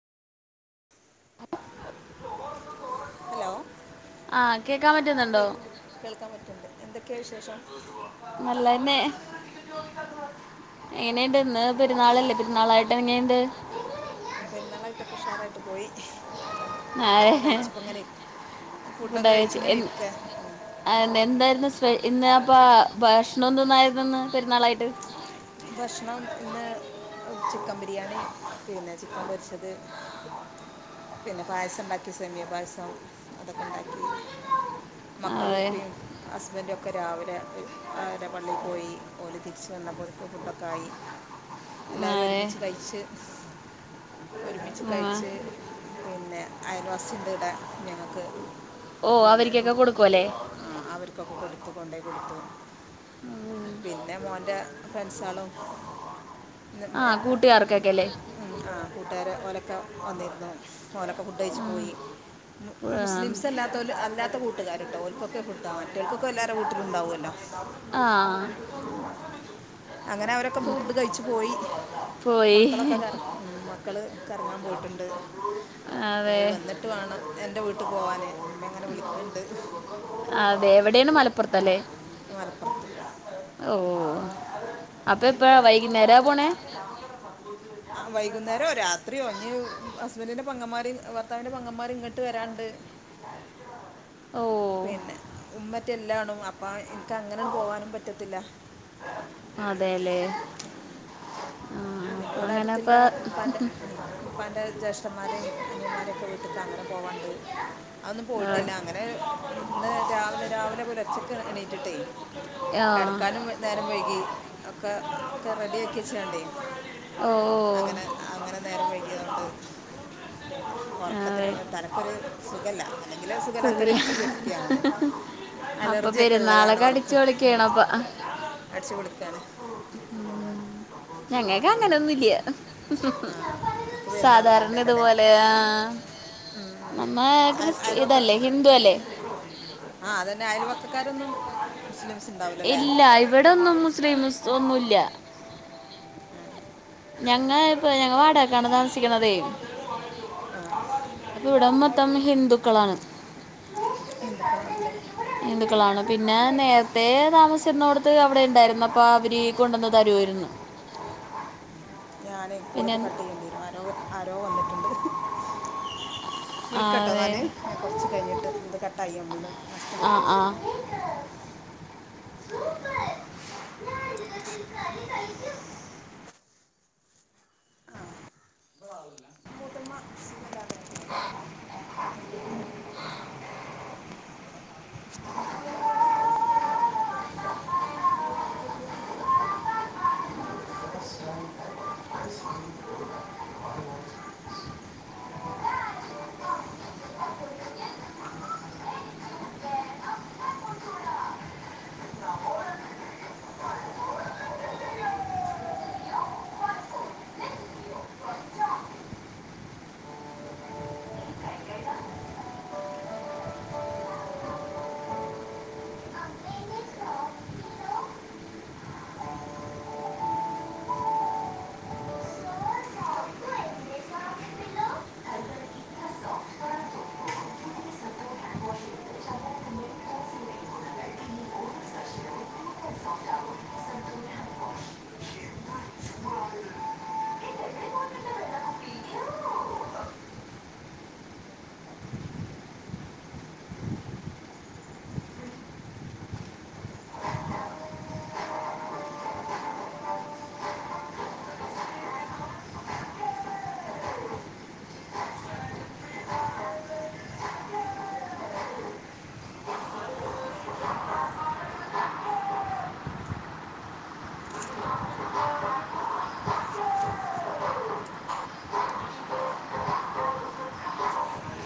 Hello ആ കേൾക്കാൻ കേ പറ്റുന്നുണ്ടോ കേൾക്കാൻ പറ്റ്ണ്ട് എന്തൊക്കെ വിശേഷം നല്ലന്നെ എങ്ങനെണ്ട് ഇന്ന് പെരുന്നാളല്ലേ പെരുന്നാളായിട്ട് എങ്ങനെണ്ട് ഉം പെരുന്നാളായിട്ടൊക്ക ഉഷാറായിട്ട് പോയി എല്ലാം ഫുഡൊക്കെ കഴിച്ച്പ്പങ്ങനെ ഇരിക്ക ഫുഡൊക്കെ കഴിച്ച്ങ്ങനെ ഇരിക്ക ആഹ് ഇന്ന എന്തായിരുന്ന് സ്പെ ഇന്ന് അപ്പാ ഭക്ഷണംന്നോന്നായിരുന്നുന്ന് പെരുന്നാളായിട്ട് ഭക്ഷണം ഇന്ന് ചിക്കൻ ബിരിയാണി പിന്നെ ചിക്കൻ പൊരിച്ചത് പിന്നെ പായസംണ്ടാക്കി സെമിയ പായസം അതൊക്കെണ്ടാക്കി മക്കളു അതെ ഉപ്പീം ഹസ്ബൻഡൊക്കെ രാവിലെ ഹ് അവരെ പള്ളിപോയി ഓല് തിരിച്ച് വന്നപ്പോ പ്പൊ ഫുഡൊക്കെ ആയി എല്ലാവരും അതെ ഒരുമിച്ച് കഴിച്ച് ഒരുമിച്ച് ആ. കഴിച്ച് പിന്നെ അയൽവാസിണ്ട് ഇടെ ഞങ്ങക്ക് ഓഹ് അവരിക്കെക്കെ കൊടുക്കും അല്ലേ ആഹ് അവര്ക്കൊക്കെ കൊടുത്തു കൊണ്ടേ കൊടുത്തു ഉം. പിന്നെ മോൻ്റെ ഫ്രണ്ട്സാളും ഇന്ന് ആ മേ ഉം ഉം കൂട്ടുകാർക്കൊക്കെ അല്ലേ ഉം ആഹ് കൂട്ടുകാര് ഓലൊക്കെ വന്നിരുന്നു ഓലൊക്കെ ഫുഡഴിച്ചു ആ. പോയി മു ഉം. മുസ്ലിംസ് അല്ലാത്തോല് അല്ലാത്ത കൂട്ടുകാര്ട്ടോ ഓൽക്കൊക്കെ ഫുഡാ മാറ്റോൽക്കൊക്കെ എല്ലാരെ വീട്ടിലണ്ടാവോല്ലോ ആഹ് അങ്ങനെ അവരൊക്കെ ഫുഡ് കഴിച്ച് പോയി പോയി മക്കളൊക്കെ കറ ഉം മക്കള് കറങ്ങാ പോയിട്ട്ണ്ട് അതെ നിയോര് വന്നിട്ട് വാണം എന്റെ വീട്ടു പോവാന് ഇമ്മങ്ങനെ വിളിക്ക്ണ്ട് ആഹ് അതെ എവിടെണ് മലപ്പുറത്തല്ലേ ത്ത് ഓഹ് അപ്പൊ എപ്പ വൈകുന്നേരാ പോണേ ആഹ് വൈകുന്നേരോ രാത്രിയോ ഇഞ്ഞി ഹസ്ബൻഡിന്റെ പെങ്ങമാര് ഭർത്താവിന്റെ പെങ്ങമ്മാര് ഇങ്ങട്ട് വരാണ്ട് [inaudible] ഓ പിന്നെ ഉമ്മറ്റല്ലാണു അപ്പാ എനിക്ക് അങ്ങനെണ്ട് പോവാനും പറ്റത്തില്ല അതെല്ലേ പിന്നെ ഇവടെ അങ്ങനെ അടുത്തില്ലാ അപ്പം ഇപ്പാൻ്റെ ഉം ഇപ്പാൻ്റെ ജ്യേഷ്ഠന്മാരേം അനിയമ്മാരെക്കെ വീട്ട്ക്ക് അങ്ങനെ പോവാണ്ട് അതൊന്നും പോയിട്ടില്ല അങ്ങനെ ഇന്ന് രാവിലെ രാവിലെ പുലർച്ചക്ക് എണീറ്റിട്ടേ ആ കെടക്കാനും വെ നേരം വൈകി ഒക്കെ ഒക്കെ റെഡി ആക്കി വച്ച്ങ്ങാണ്ടേ ഓ അങ്ങനെ അങ്ങനെ നേരം വൈകിയതോണ്ട് പിന്നെ ആ, ഒറക്കത്തിന് വെ- തലക്കൊരു സുഖല്ല അല്ലെങ്കിലേ സുഖല്ലാത്തൊരു സുഖില്ല വ്യക്തിയാണ് അപ്പം അലർജിയൊക്കെ ഉള്ളതാണ് പെരുന്നാളൊക്കെ അടിച്ചു ഒർക്ക് ഉം പൊളിക്കണം അപ്പം അടിച്ചു പൊളിക്കാണ് ഞങ്ങക്ക് അങ്ങനൊന്നും ഇല്ല്യാ ആ നിങ്ങൾക്ക് പെരുന്നാളൊന്നും സാധാരണ ഇല്ലല്ലോ അല്ലേ ഇതുപോലെ ആഹ് ഉം, ഉം. നമ്മെ അയൽ- ക്രിസ് ഇതല്ലേ ഹിന്ദു അല്ലേ ആഹ് അതന്നെ അയൽവക്കക്കാരൊന്നും മുസ്ലിംസ് ഉണ്ടാവില്ലല്ലേ ഇല്ല ഇവിടെ ഒന്നും മുസ്ലിംമ്സ്സ് ഒന്നുല്ല്യ ആഹ് ഞങ്ങ ഇപ്പ ഞങ്ങ വാടകക്കാണ് താമസിക്കുന്നതെ ആഹ് ഇപ്പ ഇവിടം മൊത്തം ഹിന്ദുക്കളാണ് ഹിന്ദുക്കളാണ്ലേ ഹിന്ദുക്കളാണ് പിന്നെ നേരത്തെ താമസിര്ന്നോടത്ത് അവിടെ ഇണ്ടായിരുന്ന പ്പൊ അവര് കൊണ്ടന്ന് തരുവാര്ന്ന്. ഉം ഞാനെ കോള് പിന്നെ ഇപ്പോ കട്ട് ചെയ്യേണ്ടി വരും ആരോ ആരോ വന്ന്ട്ട്ണ്ട് ആ വിളിക്കട്ടോ അതെ ഇന്നാല് ഞാൻ കൊറച്ച് കയ്ഞ്ഞിട്ട് ഇത് കട്ടായി നമ്മളത് ആ നഷ്ടപ്പെട്ടു ആ ആ മൂത്തമ്മ സുഖലത്ര [unintelligible] ആ മൂത്തുമ്മ സൂഖയില്ലതെയായിലെ [unintelligible] വഴിവെച്ചെങ് കൊണ്ടക്റ്റാർണോ [inaudible] ഒന്ന് കൊണ്ടോയി കോളു [inaudible]